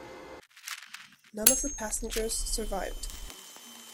None of the passengers survived.